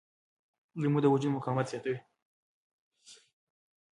لیمو د وجود مقاومت زیاتوي.